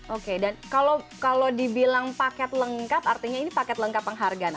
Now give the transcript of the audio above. oke dan kalau dibilang paket lengkap artinya ini paket lengkap penghargaan